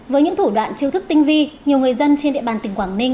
với những thủ đoạn chiêu thức tinh vi nhiều người dân trên địa bàn tỉnh quảng ninh